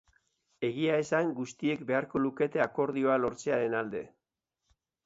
Egia esan, guztiek beharko lukete akordioa lortzearen alde.